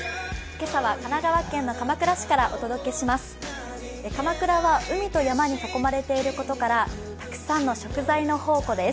今朝は神奈川県の鎌倉市からお届けします。